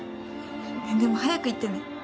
でも早く行ってね。